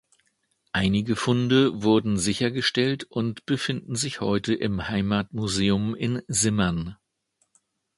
Einige Funde wurden sichergestellt und befinden sich heute im Heimatmuseum in Simmern.